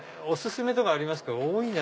お薦めとかありますか？